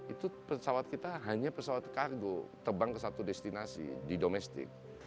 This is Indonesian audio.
itu pesawat kita hanya pesawat kargo terbang ke satu destinasi di domestik